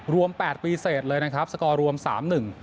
แปดปีเสร็จเลยนะครับสกอร์รวมสามหนึ่ง